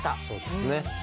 そうですね。